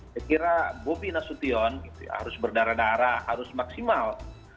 saya kira bobi nasution harus berdarah darah harus maksimal